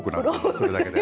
それだけで。